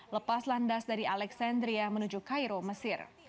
lepas landas dari alexandria menuju cairo mesir